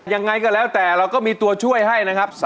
ยังไงก็แล้วแต่เราก็มีตัวช่วยให้นะครับ